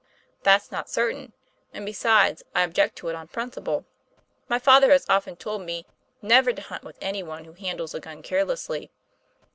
"That's not certain. And, besides, I object to it on principle. My father has often told me never to hunt with any one who handles a gun carelessly.